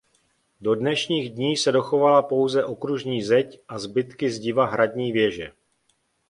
Do dnešních dní se dochovala pouze okružní zeď a zbytky zdiva hradní věže.